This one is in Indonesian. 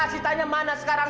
sita nya mana sekarang